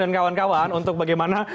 dan kawan kawan untuk bagaimana